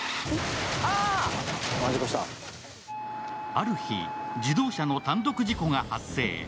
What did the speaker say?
ある日、自動車の単独事故が発生。